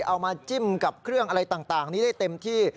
เอามาจิ้มกับเครื่องอะไรต่างนี้ได้เต็มที่